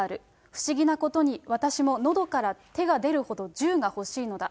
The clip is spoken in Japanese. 不思議なことに、私ものどから手が出るほど銃が欲しいのだ。